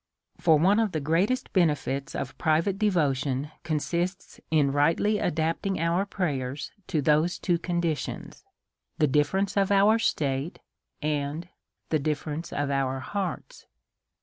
177 For one of the greatest benefits of private devotion consists in rightly adapting our prayers to these two conditions — the difference of our state,, and the differ ence of our hearts.